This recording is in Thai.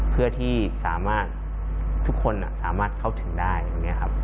เพื่อที่ทุกคนสามารถเข้าถึงได้